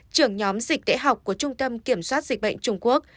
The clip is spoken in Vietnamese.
trưởng nhóm dịch tễ học của trung tâm kiểm soát dịch bệnh trung quốc